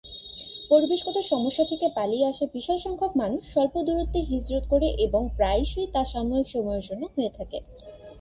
পরিবেশগত সমস্যা থেকে পালিয়ে আসা বিশাল সংখ্যক মানুষ স্বল্প দূরত্বে হিজরত করে এবং প্রায়শই তা সাময়িক সময়ের জন্য হয়ে থাকে।